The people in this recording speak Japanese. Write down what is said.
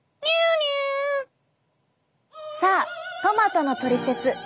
さあトマトのトリセツ